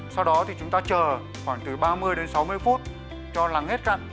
sau đó thì chúng ta chờ khoảng từ ba mươi đến sáu mươi phút cho lắng hết cặn